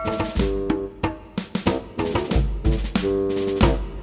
tidak ada apa apa sih